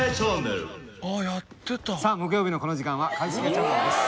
さあ木曜日のこの時間は「一茂チャンネル」です。